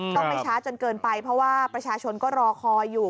ต้องไม่ช้าจนเกินไปเพราะว่าประชาชนก็รอคอยอยู่